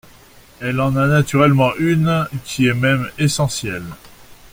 Elle en a naturellement une, qui est même essentielle.